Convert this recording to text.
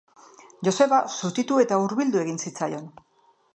Joseba zutitu eta hurbildu egin zitzaion.